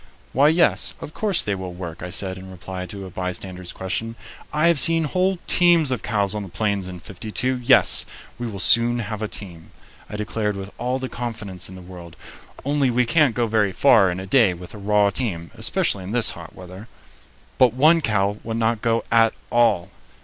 "Why, yes, of course they will work," I said, in reply to a bystander's question. "I have seen whole teams of cows on the Plains in '52. Yes, we will soon have a team," I declared with all the confidence in the world, "only we can't go very far in a day with a raw team, especially in this hot weather." But one cow would not go at all!